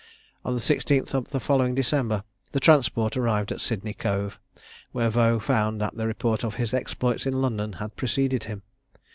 On the 16th of the following December, the transport arrived at Sydney Cove, where Vaux found that the report of his exploits in London had preceded him.